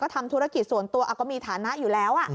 ทำธุรกิจส่วนตัวก็มีฐานะอยู่แล้ว